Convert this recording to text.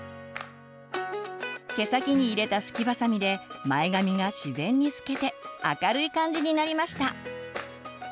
毛先に入れたスキバサミで前髪が自然にすけて明るい感じになりました。